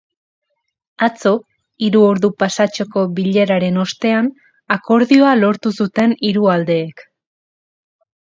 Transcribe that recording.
Atzo, hiru ordu pasatxoko bileraren ostean, akordioa lortu zuten hiru aldeek.